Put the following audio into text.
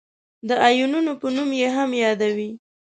د آیونونو په نوم یې هم یادوي.